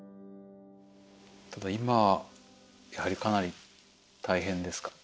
ただ今やはりかなり大変ですか？